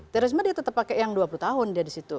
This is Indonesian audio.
terorisme dia tetap pakai yang dua puluh tahun dia di situ